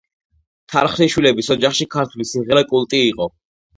თარხნიშვილების ოჯახში ქართული სიმღერა კულტი იყო.